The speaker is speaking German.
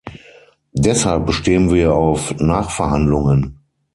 Deshalb bestehen wir auf Nachverhandlungen.